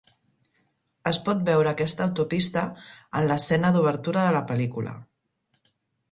Es pot veure aquesta autopista en l'escena d'obertura de la pel·lícula.